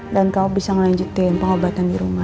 dan kamu bisa ngelanjutin pengobatan di rumah